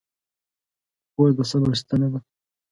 خور د صبر ستنه ده.